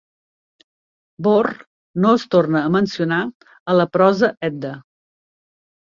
Borr no es torna a mencionar a la "Prosa Edda".